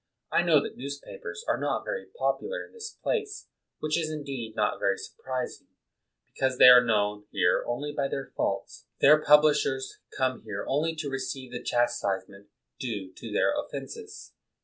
I know that news papers are not very popular in this place, which is, indeed, not very surprising, because they are known here only by their faults. Their pub 105 THE WORLD'S FAMOUS ORATIONS lishers come here only to receive the chastise ment due to their offenses.